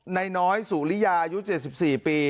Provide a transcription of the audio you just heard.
นายน้อยสุริยาอายุ๗๔ปี